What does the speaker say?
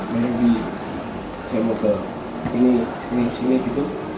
mungkin di jemoto sini sini gitu